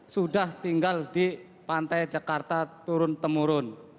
sudah tinggal di pantai jakarta turun temurun